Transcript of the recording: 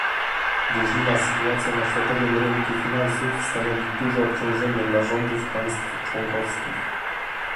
Burzliwa sytuacja na światowym rynku finansów stanowi duże obciążenie dla rządów państw członkowskich